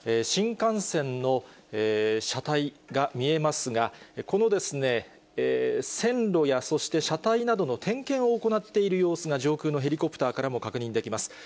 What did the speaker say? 新幹線の車体が見えますが、この線路や、そして車体などの点検を行っている様子が、上空のヘリコプターからも確認できます。